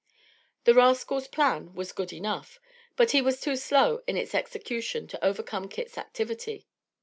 The rascal's plan was good enough, but he was too slow in its execution to overcome Kit's activity.